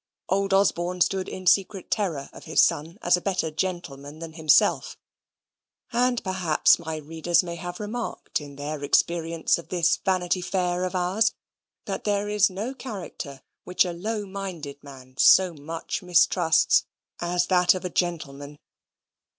Old Osborne stood in secret terror of his son as a better gentleman than himself; and perhaps my readers may have remarked in their experience of this Vanity Fair of ours, that there is no character which a low minded man so much mistrusts as that of a gentleman.